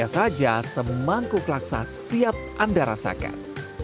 saja semangkuk laksa siap anda rasakan